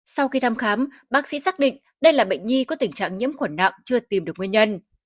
sau khi thăm khám bác sĩ xác định đây là bệnh nhi có tình trạng nhiễm khuẩn nặng chưa tìm được nguyên nhân